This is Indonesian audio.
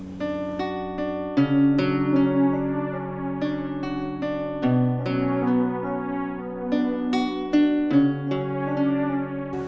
tapi dia juga ngejar ngejar dede